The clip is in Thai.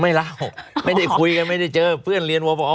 เล่าไม่ได้คุยกันไม่ได้เจอเพื่อนเรียนวบอ